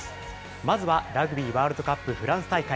まずはラグビーワールドカップフランス大会。